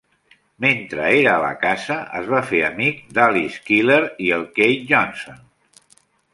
Mentre era a la casa, es va fer amic de l'Alice Keeler i el Keith Johnson.